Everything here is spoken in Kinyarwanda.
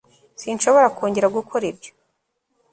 sinshobora kongera gukora ibyo